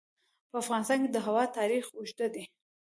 په افغانستان کې د هوا تاریخ اوږد دی.